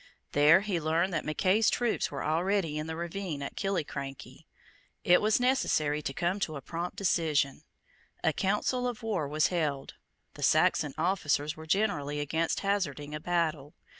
There he learned that Mackay's troops were already in the ravine of Killiecrankie. It was necessary to come to a prompt decision. A council of war was held. The Saxon officers were generally against hazarding a battle.